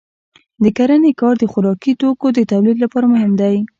د کرنې کار د خوراکي توکو د تولید لپاره مهم دی.